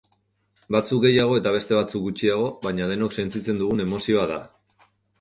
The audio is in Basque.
Batzuk gehiago eta beste batzuk gutxiago, baina denok sentitzen dugun emozioa da.